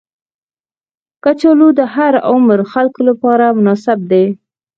کچالو د هر عمر خلکو لپاره مناسب دي